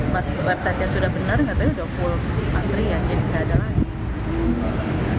pas website nya sudah benar enggak tau ya udah full antrean jadi enggak ada lagi